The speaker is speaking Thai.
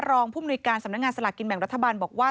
ผู้มนุยการสำนักงานสลากกินแบ่งรัฐบาลบอกว่า